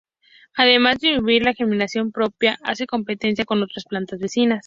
Además de inhibir la germinación propia, hace competencia con otras plantas vecinas.